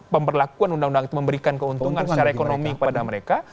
pemberlakuan undang undang itu memberikan keuntungan secara ekonomi kepada mereka